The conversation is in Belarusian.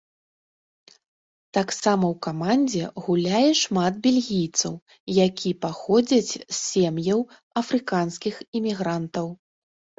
Таксама ў камандзе гуляе шмат бельгійцаў, які паходзяць з сем'яў афрыканскіх імігрантаў.